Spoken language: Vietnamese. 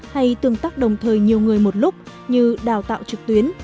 hay tương tác đồng thời nhiều người một lúc như đào tạo trực tuyến